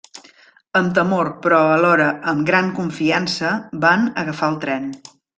Amb temor però alhora amb gran confiança van agafar el tren.